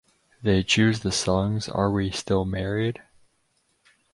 They choose the songs Are We Still Married?